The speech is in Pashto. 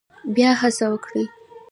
بیا هڅه وکړئ